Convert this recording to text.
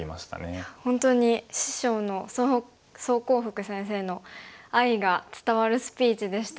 いや本当に師匠の宋光復先生の愛が伝わるスピーチでしたよね。